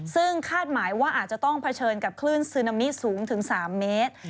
ซึ่งคาดหมายว่าอาจจะต้องเผชิญกับคลื่นซึนามิสูงถึง๓เมตร